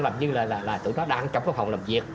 làm như là tụi nó đang trong cái phòng làm việc